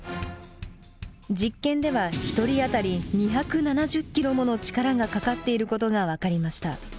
実験では１人あたり２７０ｋｇもの力がかかっていることが分かりました。